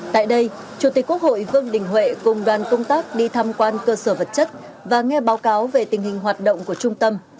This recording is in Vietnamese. tại đây chủ tịch quốc hội vương đình huệ cùng đoàn công tác đi tham quan cơ sở vật chất và nghe báo cáo về tình hình hoạt động của trung tâm